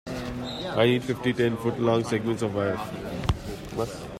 I need fifty ten-foot-long segments of wire.